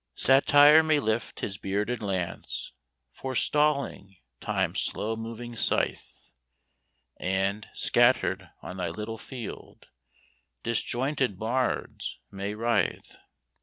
Satire may lift his bearded lance, Forestalling Time's slow moving scythe, And, scattered on thy little field, Disjointed bards may writhe.